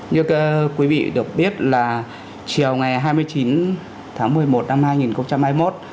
như quý vị được biết là chiều ngày hai mươi chín tháng một mươi một năm hai nghìn hai mươi một